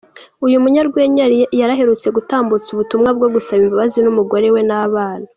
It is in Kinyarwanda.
Uyu munyarwenya yari aherutse gutambutsa ubutumwa bwo gusaba imbabazi umugore we n’abana.